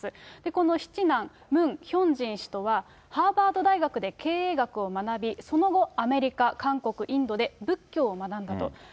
この七男、ムン・ヒョンジン氏とは、ハーバード大学で経営学を学び、その後、アメリカ、韓国、インドで仏教を学んだと。